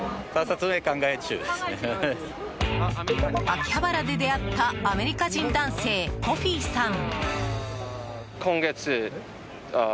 秋葉原で出会ったアメリカ人男性、コフィさん。